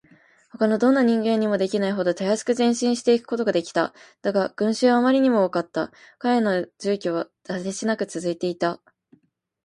ほかのどんな人間にもできないほどたやすく前進していくことができた。だが、群集はあまりにも多かった。彼らの住居は果てしなくつづいていた。